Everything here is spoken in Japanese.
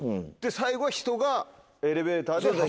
最後は人がエレベーターで運ぶ。